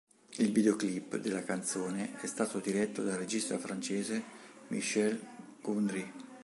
Il videoclip della canzone è stato diretto dal registra francese Michel Gondry.